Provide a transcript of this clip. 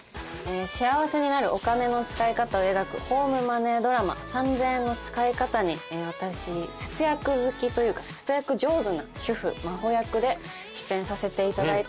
幸せになるお金の使い方を描くホームマネードラマ『三千円の使いかた』に私節約好きというか節約上手な主婦真帆役で出演させていただいてます。